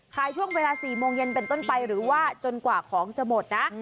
ขายช่วงเวลา๔โมงเย็นเป็นต้นไปหรือว่าจนกว่าของจะหมดนะ